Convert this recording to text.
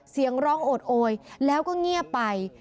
เสียงร้องโอดโอยแล้วก็เงียบไป